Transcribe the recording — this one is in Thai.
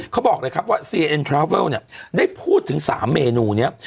เขาบอกเลยครับว่าเนี้ยได้พูดถึงสามเมนูเนี้ย